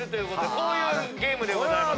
こういうゲームでございます。